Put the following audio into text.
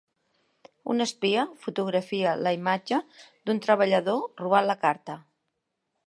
Un espia fotografia la imatge d’un treballador robant la carta.